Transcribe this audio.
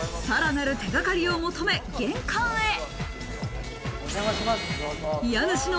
さらなる手がかりを求め玄関へ。